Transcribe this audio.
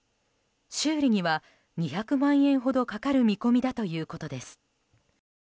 修理には２００万円ほどかかる見込みだということです。